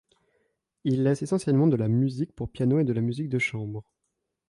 Il laisse essentiellement de la musique pour piano et de la musique de chambre.